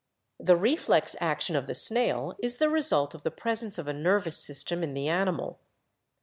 "The reflex action of the snail is the result of the pres ence of a nervous system in the animal.